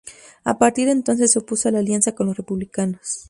A partir de entonces se opuso a la alianza con los republicanos.